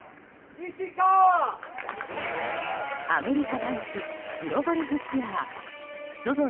アメリカ男子プロゴルフツアーＺＯＺＯ